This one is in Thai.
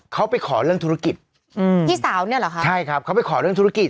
ถ้ามุ่งหน้าจากอีก